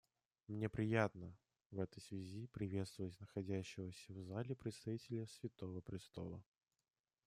Мне приятно в этой связи приветствовать находящегося в зале представителя Святого Престола.